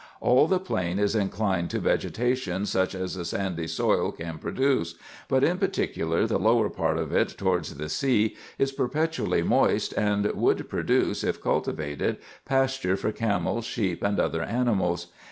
All the plain is inclined to vegetation, such as a sandy soil can produce ; but, in particular, the lower part of it towards the sea is perpetually moist, and would produce, if cultivated, pasture for camels, sheep, and other animals.